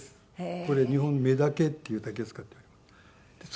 これ日本メダケっていう竹使っております。